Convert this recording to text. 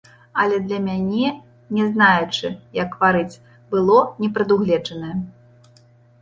Але для мяне, не знаючы, як варыць, было непрадугледжанае.